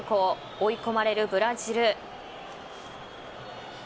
追い込まれるブラジル。